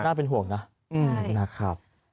น่าเป็นห่วงนะ